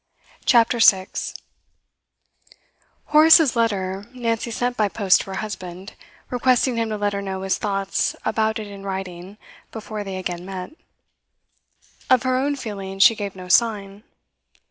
CHAPTER 6 Horace's letter Nancy sent by post to her husband, requesting him to let her know his thoughts about it in writing before they again met. Of her own feeling she gave no sign.